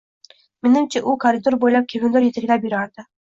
Menimcha, u koridor boʻylab kimnidir yetaklab yurardi.